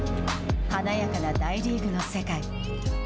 華やかな大リーグの世界。